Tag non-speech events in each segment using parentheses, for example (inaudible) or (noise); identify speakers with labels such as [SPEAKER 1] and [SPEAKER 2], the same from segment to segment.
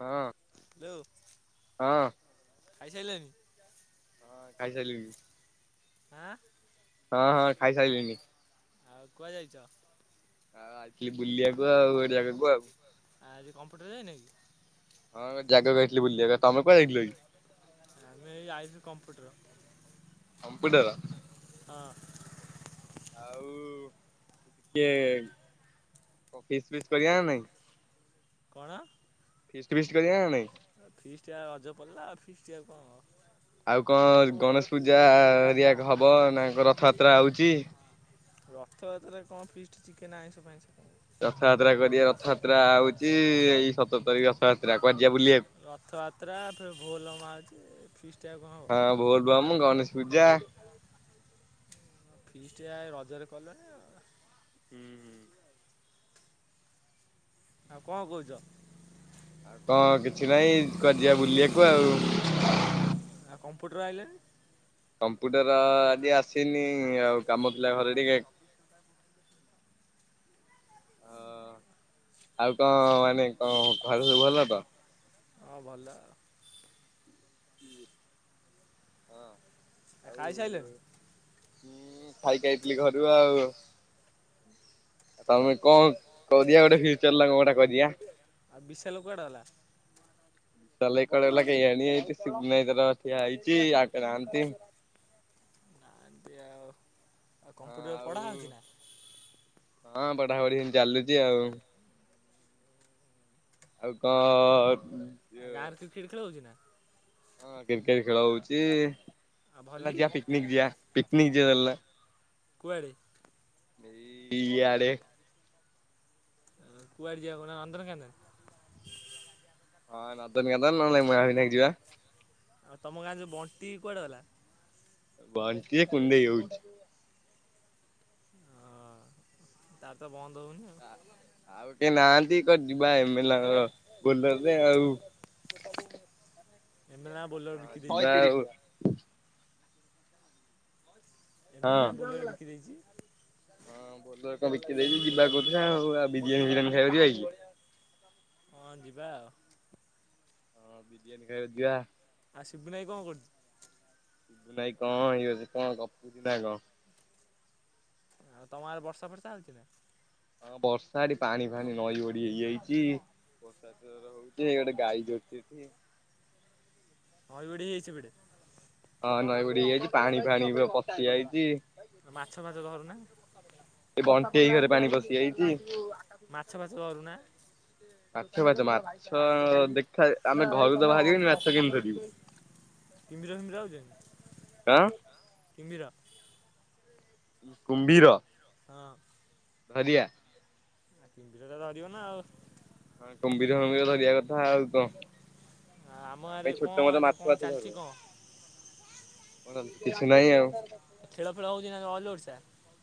[SPEAKER 1] ହଁ ହଁ।
[SPEAKER 2] ଖାଇସାଇଲଇଁ?
[SPEAKER 1] ଖାଇ ସାଇଲିନି।
[SPEAKER 2] ଆଁ।
[SPEAKER 1] ହଁ ହଁ ଖାଇସାଇଲିଣି।
[SPEAKER 2] ଆଉ କୁଆଡେ ଯାଇଛ?
[SPEAKER 1] ଆଉ ଆଇଥିଲି ବୁଲିବାକୁ ଆଉ ଏ ଜାଗାକୁ ଆଉ।
[SPEAKER 2] ଆଜି କମ୍ପ୍ୟୁଟର ଯାଇନ କି
[SPEAKER 1] ହଁ ଜାଗାକୁ ଆଇଥିଲି ବୁଲିବାକୁ। ଆ ତମେ କୁଆଡେ ଯାଇଥିଲ କି?
[SPEAKER 2] ଆମେ ଏଇ ଆଇଲୁ କମ୍ପ୍ୟୁଟର
[SPEAKER 1] କମ୍ପୁଟର।
[SPEAKER 2] ହଁ
[SPEAKER 1] ଆଉ ଟିକେ କିସ୍ ଫିସ୍ କରିବା ନା ନାଇଁ?
[SPEAKER 2] କଣ?
[SPEAKER 1] ଫିଷ୍ଟ ଫିଷ୍ଟି କରିବା ନା ନାହିଁ?
[SPEAKER 2] ଫିଷ୍ଟି ଆଉ ରଜପଲେଇଲା, ଆଉ ଫିଷ୍ଟି ଆଉ କଣ ହବ?
[SPEAKER 1] ଆଉ କଣ ଗଣେଶ ପୂଜା ଏରିଆ ହବ। ନାଙ୍କ ରଥଯାତ୍ରା ହଉଛି।
[SPEAKER 2] ରଥଯାତ୍ରାରେ କଣ ଫିଷ୍ଟ ଚିକେନ୍ ଆଇଁଷ ଫାଇଁସ।
[SPEAKER 1] ରଥଯାତ୍ରା କରିବେ ରଥଯାତ୍ରା ହଉଛି, ଏଇ ସତର ତାରିଖ ରଥଯାତ୍ରା। କୁଆଡେ ଯିବା ବୁଲିବାକୁ?
[SPEAKER 2] ରଥଯାତ୍ରା ବୋଲବମ ଆଉଛି। ଫିଷ୍ଟି ଆଉ କଣ
[SPEAKER 1] ହଁ ବୋଲବମ୍ ଗଣେଶ
[SPEAKER 2] ହବ।
[SPEAKER 1] ପୂଜା
[SPEAKER 2] ଫିଷ୍ଟ ରଜରେ କଲନି।
[SPEAKER 1] ହୁଁ ହୁଁ
[SPEAKER 2] ଆଉ କଣ କହୁଛ?
[SPEAKER 1] କଣ କିଛି ନାଇଁ କଆଡେ ଯିବା ବୁଲିବାକୁ ଆଉ।
[SPEAKER 2] ଆଉ କମ୍ପ୍ୟୁଟର ଆଇଲେଣି।
[SPEAKER 1] କମ୍ପ୍ୟୁଟର ଆଜି ଆସିନି। ଆଉ
[SPEAKER 2] ସେ
[SPEAKER 1] କାମ ଥିଲା
[SPEAKER 2] ଚବିଶ
[SPEAKER 1] ଘରେ
[SPEAKER 2] ଘଣ୍ଟା
[SPEAKER 1] ଟିକେ
[SPEAKER 2] ଚବିଶ ଘଣ୍ଟା ବୁଲୁଚି।
[SPEAKER 1] ଅ ଆଉ କଣ ମାନେ କଣ ଘର ସବୁ ଭଲ ତ।
[SPEAKER 2] ହଁ ଭଲ।
[SPEAKER 1] ହଁ।
[SPEAKER 2] ଖାଇ ସାଇଲଣି।
[SPEAKER 1] ଖାଇଯାଇଥିଲି ଘରୁ ଆଉ ତମେ କଣ କରିଆ ଗୋଟେ ଫ୍ୟୁଚର ଲୋନ ଗୋଟା କରିଆ।
[SPEAKER 2] ଆ ବିଶାଲ କୁଆଡେ ଗଲା?
[SPEAKER 1] ବିଶାଲ ଭାଇ କୁଆଡେ ଗଲା କେଇଆଣି ଏଠି (unintelligible) ଠିଆଇଚି (unintelligible)
[SPEAKER 2] (unintelligible) ଆଉ କମ୍ପ୍ୟୁଟର
[SPEAKER 1] ଆଉ
[SPEAKER 2] ପଢା ହଉଚି ନା?
[SPEAKER 1] ପଢ଼ାପଢ଼ି ଚାଲୁଚି ଆଉ। ଆଉ କଣ?
[SPEAKER 2] ଆଉ ଗାଁରେ କ୍ରିକେଟ୍ ଖେଳ ହଉଚି ନା?
[SPEAKER 1] ହଁ କ୍ରିକେଟ୍ ଖେଳ ହଉଚି।
[SPEAKER 2] ଆଉ ଭଲି
[SPEAKER 1] ଚାଲୁନ ଯିବା ପିକନିକ ଯିବା। ପିକନିକ ଯିବା ଚାଲୁନ।
[SPEAKER 2] କୁଆଡ଼େ?
[SPEAKER 1] ଏଇ ଇଆଡେ।
[SPEAKER 2] ଅ, କୁଆଡ ଯିବା କହୁନ? ନନ୍ଦନକାନନ।
[SPEAKER 1] ହଁ ନନ୍ଦନକାନନ, ନହେଲେ ମହାବିନାୟକ ଯିବା।
[SPEAKER 2] ଆଉ ତୋମ ଗାଁରେ ଯୋଉ ବଣ୍ଟି କୁଆଡେ ଗଲା?
[SPEAKER 1] ବଣ୍ଟି ଏ କୁଣ୍ଢେଇ ହଉଛି।
[SPEAKER 2] ହଁ ତାର ତ ବନ୍ଦ ହଉ
[SPEAKER 1] ଆଉ କେହି ନାହାନ୍ତି କୁଆଡେ ଯିବା, ଏ ମେଲା ଘର ବୋଲରରେ ଆଉ
[SPEAKER 2] ଏମେନା ବୋଲର ବିକି
[SPEAKER 1] ହଁ ଯିବା
[SPEAKER 2] ଦେଇଚି।
[SPEAKER 1] (inaudible) ହଁ,
[SPEAKER 2] ଏମେଲେ ନା ବୋଲର ବିକି ଦେଇଛି
[SPEAKER 1] ହଁ ବଲୋର ଟା ବିକି ଦେଇଚି ଯିବା କ ବଢିଆ ହଉ ଆ ବିରିୟାନୀ ଫିରିୟାନୀ ଖାଇବାକୁ ଯିବା କି?
[SPEAKER 2] ହଁ ଯିବା।
[SPEAKER 1] ହଁ ବିରିୟାନୀ ଖାଇବାକୁ ଯିବା।
[SPEAKER 2] ଆଉ ସିପୁନୁ ଭାଇ କଣ କରୁଚୁ?
[SPEAKER 1] ଭାଇ କଣ ଇଏ ସେ କଣ ଗପୁଚୁ ନା କଣ।
[SPEAKER 2] ଆଉ ତୋମ ଆଡେ ବର୍ଷା ଫର୍ଷା ହଉଚି ନା।
[SPEAKER 1] ହଁ ବର୍ଷା ଏଠି ପାଣି ଫାଣି ନଈ ବଢି ହେଇଯାଇଚି। ବର୍ଷା ଜୋର ରେ ହଉଚି। ଗୋଟେ ଗାଈ ଜଗିଛି।
[SPEAKER 2] ନଈ ବଢି ହେଇଚି ସେପଟେ।
[SPEAKER 1] ହଁ ନଈ ବଢି ହେଇଯାଇଚି। ପାଣି ଫାଣି ପୁରା ପଶି ଯାଇଚି।
[SPEAKER 2] ମାଛ ଫାଛ ଧରୁ ନା?
[SPEAKER 1] ଏ ବଣ୍ଟି ଭାଇ ଘରେ ପାଣି ପଶିଯାଇଚି।
[SPEAKER 2] ମାଛ ଫାଛ ଧରୁନା
[SPEAKER 1] (inaudible) ମାଛ ଫାଛ ମାଛ ଦେଖା ଆମେ ଘରୁ ତ ବାହାରି ହଉନି। ମାଛ କେମିତି ଧରିବୁ।
[SPEAKER 2] କିମ୍ଭୀର ଫିମ୍ବିର ଆଉଚନ୍ତି?
[SPEAKER 1] କଣ?
[SPEAKER 2] କିମ୍ଭୀର
[SPEAKER 1] କୁମ୍ଭୀର।
[SPEAKER 2] ହଁ।
[SPEAKER 1] ଧରିଆ
[SPEAKER 2] କିମ୍ଭୀର ର ଟା ଧରିବ ନା ଆଉ।
[SPEAKER 1] ହଁ କୁମ୍ଭୀର ଫୁମ୍ବିର ଧରିଆ କଥା, ଆଉ କଣ?
[SPEAKER 2] ଆ, ଆମ
[SPEAKER 1] ଆମେ
[SPEAKER 2] ଆରେ
[SPEAKER 1] ଛୋଟ
[SPEAKER 2] କଣ
[SPEAKER 1] ମୋଟ
[SPEAKER 2] ମାନେ
[SPEAKER 1] ମାଛ
[SPEAKER 2] କଣ ଚାଲିଚି କଣ?
[SPEAKER 1] କଣ କିଛି ନାହିଁ ଆଉ।
[SPEAKER 2] ଏ ଖେଳ ଫେଳ ହଉଚି ନା ଅଲିଓଡସ ଚା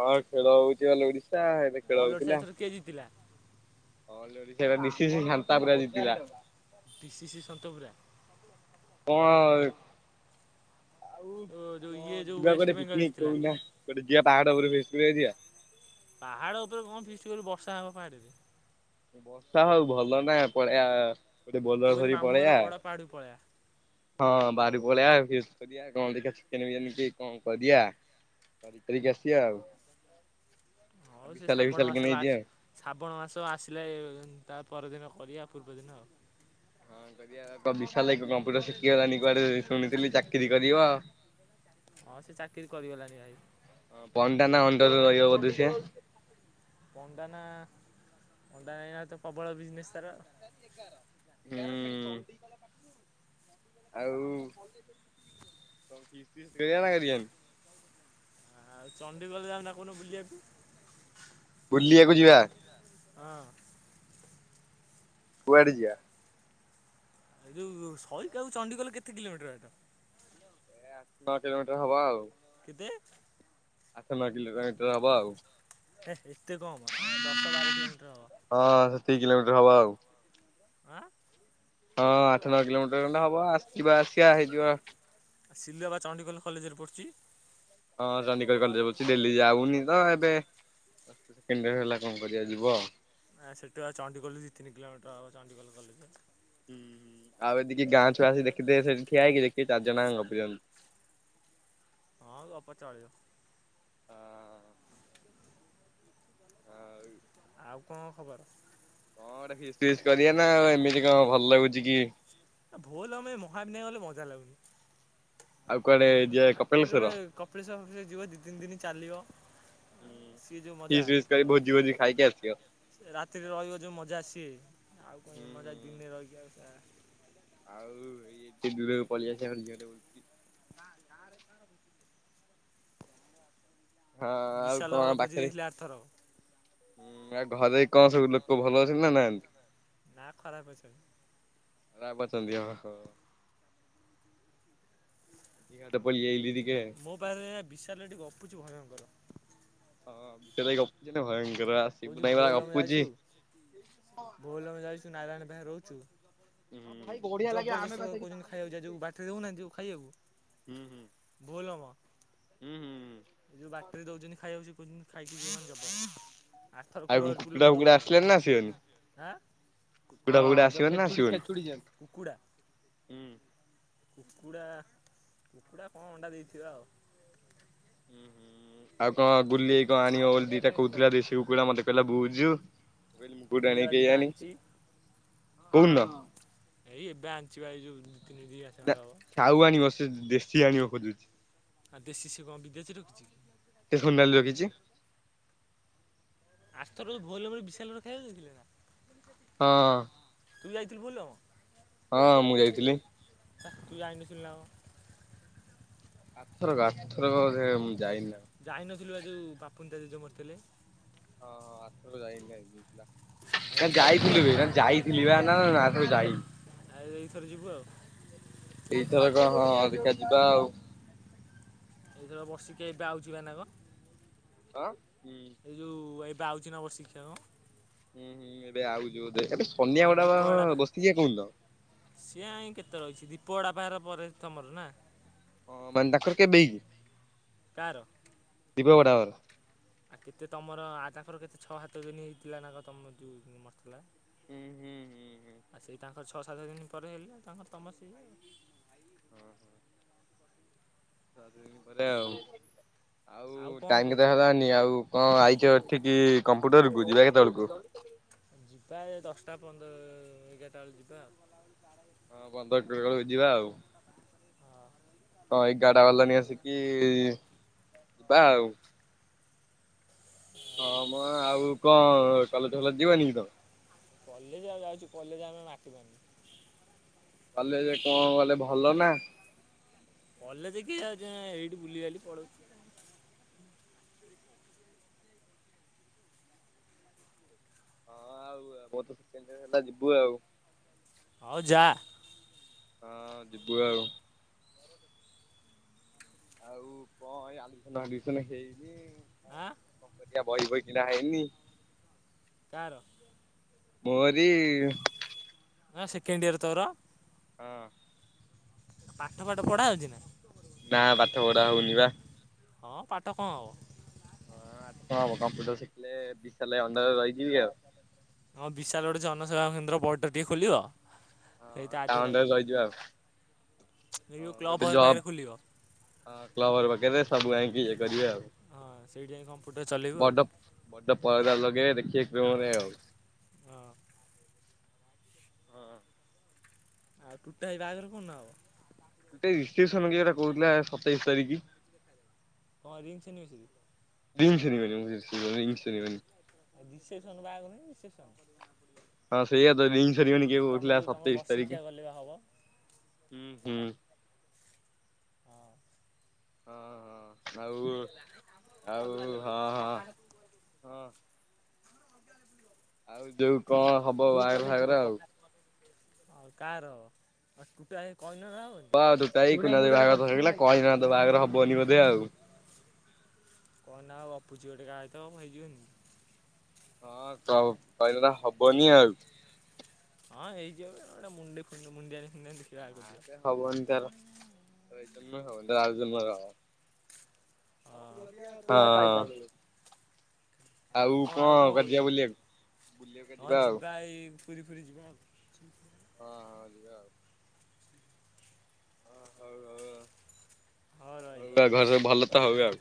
[SPEAKER 1] ହଁ ଖେଳ ହଉଚି ଖାଲି ଓଡିଶ ତାହେଲେ ଖେଳ
[SPEAKER 2] ଅଲ ଓଡ଼ିଶା
[SPEAKER 1] ହଉଥିଲା।
[SPEAKER 2] ଏଥର କିଏ ଜିତିଲା?
[SPEAKER 1] All Odisha D C C ସାନ୍ତା ପୁରା ଜିତିଲା।
[SPEAKER 2] P C C ସନ୍ତପୁରା।
[SPEAKER 1] (inaudible) ଆଉ
[SPEAKER 2] ଯୋଉ
[SPEAKER 1] ଙ୍କ
[SPEAKER 2] ଇଏ ଯୋଉ
[SPEAKER 1] ଯିବା ଗୋଟେ
[SPEAKER 2] ୱେଷ୍ଟବେଙ୍ଗଲ
[SPEAKER 1] ପିକନିକ
[SPEAKER 2] ଜିତିଲା
[SPEAKER 1] କହୁନା ଗୋଟେ ଯିଆ ପାହାଡ଼ ଉପରକୁ ଫିଷ୍ଟ କରିବାକୁ ଯିବା।
[SPEAKER 2] ପାହାଡ ଉପରେ କଣ ଫିଷ୍ଟ କରିବୁ ବର୍ଷା ହବ ପାହାଡରେ।
[SPEAKER 1] ବର୍ଷା ହଉ ଭଲ ନା ପଳେଆ
[SPEAKER 2] ତୋରି ମାମୁଁ ଘର ଗଡ ପାହାଡ଼ କୁ ପଳେଇଆ।
[SPEAKER 1] ହଁ ବାହାରକୁ ପଳେଇଆ ଫିଷ୍ଟ କରିଆ କଣ ଦେଖିବା ଚିକେନ ବିରିୟାନି କି କଣ କରିଆ କରି କାରିକି ଆସିବା ଆଉ। (inaudible)
[SPEAKER 2] ହଉ ସେ
[SPEAKER 1] ବିଶାଲ ଭାଇ
[SPEAKER 2] ଶ୍ରାବଣ
[SPEAKER 1] ଫିଶାଲ କି
[SPEAKER 2] ମାସ
[SPEAKER 1] ନେଇଯିବା ଆଉ।
[SPEAKER 2] ଲାଷ୍ଟ ଶ୍ରାବଣ ମାସ ଆସିଲେ ତା ପରଦିନ କରିବା ପୂର୍ବଦିନ ଆଉ।
[SPEAKER 1] ହଁ କରିବା ଙ୍କ ବିଶାଲ ଭାଈ କମ୍ପ୍ୟୁଟର ଶିଖିଗଲାଣି କୁଆଡେ ଶୁଣିଥିଲି ଚାକିରି କରିବ।
[SPEAKER 2] ହଁ ସେ ଚାକିରି କରିଗଲାଣି ଭାଇ।
[SPEAKER 1] ଖରେ ରହିବ ବଧେ ସିଏ?
[SPEAKER 2] ପଣ୍ଡା ନା ଅଣ୍ଡା ନା ଏଇନା ତ ପ୍ରବଳ ବିଜନେସ୍ ତାର ଆଉ।
[SPEAKER 1] ଆଉ। (unintelligible)
[SPEAKER 2] ଆଉ ଚଣ୍ଡିଖୋଲ ଯାଉନ କଉଦିନ ବୁଲିବାକୁ।
[SPEAKER 1] ବୁଲିବାକୁ ଯିବା?
[SPEAKER 2] ହଁ।
[SPEAKER 1] କୁଆଡେ ଯିବା?
[SPEAKER 2] ଏଇ ଯୋଉ ସଇକା କୁ ଚଣ୍ଡିଖୋଲ କେତେ କିଲୋମିଟର ବାଟ?
[SPEAKER 1] ଏ ଆଠ ନଅ କିଲୋମିଟର ହବ ଆଉ।
[SPEAKER 2] ତେ?
[SPEAKER 1] ଆଠ ନ କିଲୋମିଟର ହବ ଆଉ।
[SPEAKER 2] ହେ ଏତେ କମ ଆ ଦଶ ବାର କିଲୋମିଟର ହବ।
[SPEAKER 1] ସେତିକି କିଲୋମିଟର ହଁ ଆଉ।
[SPEAKER 2] ଆଁ।
[SPEAKER 1] ହଁ ଆଠ ନଅ କିଲୋମିଟର ଖଣ୍ଡେ ହବ ଆସ ଯିବା ଆସିବା ହେଇଯିବ।
[SPEAKER 2] ଆଉ ସିଲୁ ବା ଚଣ୍ଡିଖୋଲ କଲେଜରେ ପଢ଼ୁଛି?
[SPEAKER 1] ହଁ ଚଣ୍ଡୀଖୋଲ କଲେଜ ରେ ପଢ଼ୁଚି ଡେଲି ଯାଉନି ତ ଏବେ ସେକେଣ୍ଡିୟର ହେଲା କଣ କରିବା ଯିବ।
[SPEAKER 2] ଆଁ ସେଠୁ ଆଉ ଚଣ୍ଡିଖୋଲ ଦି ତିନି କିଲୋମିଟର ହବ ଚଣ୍ଡିଖୋଲ କଲେଜେ।
[SPEAKER 1] ହୁଁ ହୁଁ ଆଉ ଏ ଦିକି ଗାଁ ଛୁଆ ଆସି ଦେଖିଦେବେ ସେଠି ଠିଆ ହେଇକି ଦେଖିବେ ଚାରିଜଣ ଆଙ୍କ ଗପୁଛନ୍ତି।
[SPEAKER 2] ହଁ ଗପ ଚଳିବ।
[SPEAKER 1] ହଁ। କଣ
[SPEAKER 2] (inaudible) ଆଉ କଣ ଖବର?
[SPEAKER 1] କଣ ଗୋଟେ ଫିଷ୍ଟ ଫିଷ୍ଟ କରିବା ନା ଆଉ ଏମିତି କଣ ଭଲ ଲାଗୁଛି କି।
[SPEAKER 2] ଭୋଲ ହମେ ମାହାବିନାୟକ ଗଲେ ମଜା ଲାଗୁନି।
[SPEAKER 1] ଆଉ କୁଆଡେ ଯିଏ
[SPEAKER 2] ଆ କୋଉଠି ଗୋଟେ
[SPEAKER 1] କପଳେଶସ୍ୱର
[SPEAKER 2] କପିଳେଶ୍ୱର ଫପିଳେଶ୍ୱର ଯିବ ଦି ତିନି ଦିନ ଚାଲିବ ସିଏ ଯୋଉ
[SPEAKER 1] (inaudible)
[SPEAKER 2] ମଜା।
[SPEAKER 1] କିସ ଫିସ କରି ଭୋଜି ଫୋଜି ଖାଇକି ଆସିବ।
[SPEAKER 2] ରାତିରେ ରହିବ ଯୋଉ ମଜା ସିଏ ଆଉ କଣ ମଜା ଦିନରେ ର। (inaudible)
[SPEAKER 1] (unintelligible) ହଁ ଆଉ
[SPEAKER 2] ବିଶାଲ
[SPEAKER 1] କଣ
[SPEAKER 2] ଘର ଭୋଜି
[SPEAKER 1] ପାଖରେ
[SPEAKER 2] ଦେଇଥିଲେ ଆରଥରକ।
[SPEAKER 1] ହୁଁ ଆଉ ଘରେ କଣ ସବୁ ଲୋକ ଭଲ ଅଛନ୍ତି ନା ନାହାଁନ୍ତି?
[SPEAKER 2] ନା ଖରାପ ଅଛନ୍ତି।
[SPEAKER 1] ଖରାପ ଅଛନ୍ତି ହଁ ହଁ। ଅଧିକା ବାଟ ପଳେଇ ଆଇଲି ରେ
[SPEAKER 2] ମୋ ପାଖରେ ଏୟା ବିଶାଲ ଏଠି ଗପୁଛି ଭୟଙ୍କର।
[SPEAKER 1] ହଁ ବିଶାଲ ଏଇ ଗପୁଛି ଭୟ
[SPEAKER 2] କହୁଛି ଭୋଲ ଆମେ ଯାଇଛୁ ଭୋଲ ଆମେ ଯାଇଛୁ ନାରାୟଣ ରହୁଛୁ।
[SPEAKER 1] ହଁ ଭାଈ ବଢିଆ ଲାଗେ ଆମେ
[SPEAKER 2] ଜବରଦସ୍ତ
[SPEAKER 1] ପା ସେଠି
[SPEAKER 2] କହୁଛନ୍ତି
[SPEAKER 1] ଖାଉ ହୁଁ ହୁଁ
[SPEAKER 2] ଖାଇବାକୁ ଯା ଯୋଉ ବାଟରେ ଦଉନାହାନ୍ତି ଯୋଉ ଖାଇବାକୁ
[SPEAKER 1] ହୁଁ
[SPEAKER 2] ଭୋଲମ
[SPEAKER 1] ହୁଁ ହୁଁ।
[SPEAKER 2] ଏ ଯୋଉ ବାଟରେ ଦଉଛନ୍ତି ଖାଇଆ କହୁଛନ୍ତି ଖାଇକି ଯିବ ମାନେ ଜବର। ଆରଥର
[SPEAKER 1] ଆଉ
[SPEAKER 2] କୂଳହରିପୁର ଲୋକ
[SPEAKER 1] କୁକୁଡ଼ା ଫୁକୁଡା
[SPEAKER 2] ଦଉଥିଲେ ଆଁ
[SPEAKER 1] ଆସିଲାନି ନା ଆସିବେନି? କୁକୁଡ଼ା ଫୁକୁଡା ଆସିବନି ନା (unintelligible)
[SPEAKER 2] କୁକୁଡ଼ା।
[SPEAKER 1] ହୁଁ।
[SPEAKER 2] କୁକୁଡ଼ା କୁକୁଡ଼ା କଣ ଅଣ୍ଡା ଦେଇଥିବ ଆଉ।
[SPEAKER 1] ଉୁଁ ହୁଁ ଆଉ କଣ ଗୁଲି ଆଇ କଣ ଆଣିବ ବୋଲି ଦିଟା କହୁଥିଲା ଦେଶୀ କୁକୁଡ଼ା ମତେ କହିଲା ବୁଝୁ। ମୁଁ କହିଲି ମୁଁ କୋଉଠୁ
[SPEAKER 2] ବୁଲିବା
[SPEAKER 1] ଆଣିବି
[SPEAKER 2] ବା ଦିଟା
[SPEAKER 1] କେଜାଣି?
[SPEAKER 2] ଆଣିଛି
[SPEAKER 1] କୋଉନ?
[SPEAKER 2] ଏଇ ଏବେ ଆଣିଚି ଅଛି ବା ଏଇ ଯୋଉ ଦି ତିନି ଦି ମାସେ
[SPEAKER 1] ନା
[SPEAKER 2] ଖଣ୍ଡେ
[SPEAKER 1] ସାଉ ଆଣିବ
[SPEAKER 2] ହବ
[SPEAKER 1] ସେ ଦେଶୀ ଆଣିବ ଖୋଜୁଚି।
[SPEAKER 2] ଆଉ ଦେଶୀ ସେ କଣ ବିଦେଶୀ ରଖିଛି କି?
[SPEAKER 1] ସିଏ କଣ ନେଲ୍ ରଖିଚି।
[SPEAKER 2] ଆରଥରକ ଯୋଉ ଭୋଲବମ ରେ ବିଶାଲ ଘର ଖାଇଆକୁ ଦେଉଥିଲେ ନା।
[SPEAKER 1] ହଁ।
[SPEAKER 2] ତୁ ଯାଇଥିଲୁ ଭୋଲବମ?
[SPEAKER 1] ହଁ ମୁଁ ଯାଇଥିଲି।
[SPEAKER 2] ହେ ତୁ ଯାଇନଥିଲୁ ନା କଣ?
[SPEAKER 1] ଆରଥରକ ଆରଥରକ ବୋଧେ ମୁଁ ଯାଇନି। ନା କଣ?
[SPEAKER 2] ଯାଇନ ସିଏ ବା ଯୋଉ ବାପୁନ୍ ଦାଦା ଯୋଉ ମରିଥିଲେ।
[SPEAKER 1] ହଁ ହଁ ଆରଥରକ ଯାଇ ହେଲାନି ପରା।
[SPEAKER 2] ଆଉ
[SPEAKER 1] ନା
[SPEAKER 2] ଏଇଥର ଯିବୁ
[SPEAKER 1] ଯାଇଥିଲୁ
[SPEAKER 2] ଆଉ
[SPEAKER 1] ବେ ନା ଯାଇଥିଲି ବା ନା ନା କେବେ ଯାଇନି?
[SPEAKER 2] ଆ ଏଇଥର ଯିବୁ ଆଉ।
[SPEAKER 1] ଏଇଥର କଣ ହଁ ଅ ଦେଖିବା ଯିବା ଆଉ।
[SPEAKER 2] ଏଇଥର ବର୍ଷିକିଆ ଏବେ ଆଉଛି ବା ନା କଣ?
[SPEAKER 1] ହଁ
[SPEAKER 2] ଏଇଯୋଉ ୱା ଆଉଛି ନବ ଶିକ୍ଷା ହଁ।
[SPEAKER 1] ହୁଁ ହୁଁ ଏବେ ଆଉଛୁ। ବୋ ଏବେ ସନିଆ
[SPEAKER 2] ହଁ
[SPEAKER 1] ଗୁଡା
[SPEAKER 2] ଦୀପ
[SPEAKER 1] ବା
[SPEAKER 2] ଆଡ଼ାପା
[SPEAKER 1] ବର୍ଷି କିଆ କୋଉଦିନ।
[SPEAKER 2] ପୋଡ଼ା ପାର ପ ତମର ନା।
[SPEAKER 1] ହଁ ବନ୍ଦ (unintelligible)
[SPEAKER 2] କାହାର।
[SPEAKER 1] ଦୀପ ବଡ଼ାପା।
[SPEAKER 2] ଆଉ କେତେ ତମର ଆ ତାଙ୍କର କେତେ ଛଅ ସାତ ଦିନ ହେଇଥିଲା ନା ତମ ଯୋଉ ମରିଥିଲା।
[SPEAKER 1] ହୁଁ ହୁଁ ହୁଁ ହୁଁ।
[SPEAKER 2] ଆଉ ସେଇ ତାଙ୍କର ଛଅ ସାତ ଦିନ ପରେ ହେଲା ତାଙ୍କର ତମର ସେଇଆ।
[SPEAKER 1] ଅହ। ଛଅ ଦିନ ପରେ ଆଉ। ଆଉ
[SPEAKER 2] କଣ
[SPEAKER 1] ଟାଇମ
[SPEAKER 2] କହୁଛ?
[SPEAKER 1] କେତେଟା ହେଲାନି। ଆଉ କଣ ଆଇଛ ଏଠିକି କମ୍ପୁଟରକୁ ଯିବା କେତେବେଳକୁ।
[SPEAKER 2] ଆଟା ପନ୍ଦର ଏଗାରଟା ବେଳେ ଯିବା ଆଉ।
[SPEAKER 1] ହଁ ପନ୍ଦର କିଲୋ ବେଳକୁ ଯିବା ଆଉ।
[SPEAKER 2] ହଁ
[SPEAKER 1] କଣ ଏଗାରଟା ବାଜିଲାଣି ଆସିକି ଯିବା ଆଉ। ହଁ ମ ଆଉ କଣ କଲେଜ ଫଲେଜ ଯିବନି କି ତମେ?
[SPEAKER 2] କଲେଜ ଆଉ ଯାଉଚୁ କଲେଜ ଆମେ ମାଟିମାଡିନୁ।
[SPEAKER 1] କଲେଜ କଣ ଗଲେ ଭଲ ନା।
[SPEAKER 2] କଲେଜ କିିଏ ଯାଉଚି ଏଇଠି ବୁଲିବାଲି ପଳଉଛୁ। (inaudible)
[SPEAKER 1] ବହୁତ (unintelligible) ହେଲା ଯିବୁ ଆଉ।
[SPEAKER 2] ହଉ ଯା।
[SPEAKER 1] ହଁ ଯିବୁ ଆଉ। ଆଉ କଣ ଏଇ ଆଲୁସନ ଫାଲୁସନ ହେଇନି।
[SPEAKER 2] ଆଁ।
[SPEAKER 1] କଣ ବହି ଫହି କିଣା ହେଇନି।
[SPEAKER 2] କାହାର।
[SPEAKER 1] ମୋରି
[SPEAKER 2] ନାଁ ସେକେଣ୍ଡ ୟର୍ ତୋର
[SPEAKER 1] ହଁ।
[SPEAKER 2] ପାଠ ଫାଠ ପଢା ହଉଛି ନା।
[SPEAKER 1] ନା ପାଠ ପଢା ହଉନି ବା।
[SPEAKER 2] ହଁ ପାଠ କଣ ହବ।
[SPEAKER 1] ହଁ କଣ ହବ କମ୍ପ୍ୟୁଟର ଶିଖିଲେ ବିସାଲ ଅଂଡର ରେ ରହିବି ଆଉ।
[SPEAKER 2] ହଁ ବିଶାଳ ଗୋଟେ ଜନସେବା କେନ୍ଦ୍ର ପର୍ଟା ଟିକେ ଖୋଲିବ।
[SPEAKER 1] ହଁ ତା ଅଂଡର ରେ ରହିଯିବା ଆଉ।
[SPEAKER 2] କ୍ଲବ ଘର ପାଖରେ ଖୋଲିବ।
[SPEAKER 1] ହଁ କ୍ଲୱର ବକରେ ସବୁ ଆଣିକି ଇଏ କରିବେ ଆଉ।
[SPEAKER 2] ହଁ ସେଇଠି ଯାଇକି କମ
[SPEAKER 1] ବଡ ବଡ ପରଦା ଲଗେଇବା ଦେଖିବା। (unintelligible)
[SPEAKER 2] ହଁ।
[SPEAKER 1] ହୁଁ।
[SPEAKER 2] ଆଉ ଟୁଟୁ ବାହାଘର କୋଉଡଦିନ ହେବ?
[SPEAKER 1] ଗଟେ ରେପସନଟା କହୁଥିଲା ସତେଇଶ ତାରିଖ।
[SPEAKER 2] ହଁ ring ceremony.
[SPEAKER 1] Ring ceremony.
[SPEAKER 2] Reception ବାହାଘର ରିସେପ୍ସନ।
[SPEAKER 1] ହଁ ସେଇଆା ତ ଦିନ ରିଙ୍ଗ ସେରମନି କିଏ
[SPEAKER 2] ତମ
[SPEAKER 1] କହୁଥିଲା
[SPEAKER 2] ଯୋଉ ତମ
[SPEAKER 1] ସତେଇଶି
[SPEAKER 2] ବର୍ଷିକିଆ
[SPEAKER 1] ତାରିଖ
[SPEAKER 2] ଗଲେ ବା ହବ
[SPEAKER 1] ହୁଁ ହୁଁ।
[SPEAKER 2] ହଁ
[SPEAKER 1] ହଁ ହଁ ଆଉ ଆଉ ହଁ ହଁ ହଁ। ଆଉ ଯୋଉ କଣ ହବ ବାହାଘର ଫାଘର ଆଉ।
[SPEAKER 2] ଆଉ କାର ତୁଟୁଆ
[SPEAKER 1] ହଁ ତୁଟୁଆ ଭାଇ କୁନୁଆ ଭାଇ ବାହାଘର ଫାଘର ହେଇଗଲା, କଇନର ବାହାଘର ହବନି ବୋଧେ? କେ ଆଉ।
[SPEAKER 2] କଣ ଗୋଟେ ଗପୁଛି ଗୋଟେ କାହା ସହିତ ହେଇ ଯିବନି।
[SPEAKER 1] ହଁ କ କହିଲେ ହବନି ଆଉ।
[SPEAKER 2] ହଁ ହେଇଯିବ ଯେ ମୁଣ୍ଡେ (unintelligible) ହଁ
[SPEAKER 1] ନା ହବନି ତ ଏଇ ହବ ଆଉ। ମଗାଅ।
[SPEAKER 2] ହଁ ଆଉ କଣ ଆଉ କଣ
[SPEAKER 1] କୁଆଡେ
[SPEAKER 2] କହୁଛ
[SPEAKER 1] ଯିବା ବୁଲିବାକୁ? ବୁଲିବାକୁ
[SPEAKER 2] ହଁ
[SPEAKER 1] ଆଉ
[SPEAKER 2] ଯିବା ଏଇ ପୁରୀ ପୁରୀ ଯିବା ଆଉ। Thank you.
[SPEAKER 1] ହଁ ହଁ ଯିବା ଆଉ। ହ ହଉ
[SPEAKER 2] ହଉ
[SPEAKER 1] ହଉ।
[SPEAKER 2] ରହିଲି
[SPEAKER 1] ହଉ ଘରେ ସବୁ ଭଲ ତ ହଉ ଆଉ।